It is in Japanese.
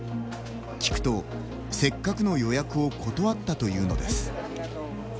聞くと、せっかくの予約を断ったというのです。